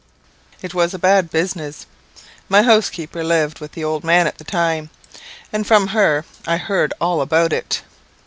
"It was a bad business. My housekeeper lived with the old man at the time, and from her I heard all about it.